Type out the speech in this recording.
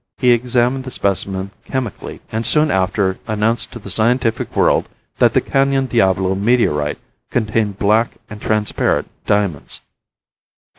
He examined the specimen chemically, and soon after announced to the scientific world that the Canyon Diablo Meteorite contained black and transparent diamonds.